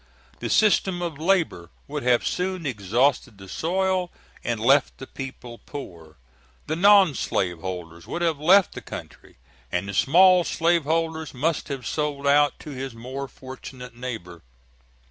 The system of labor would have soon exhausted the soil and left the people poor. The non slaveholders would have left the country, and the small slaveholder must have sold out to his more fortunate neighbor.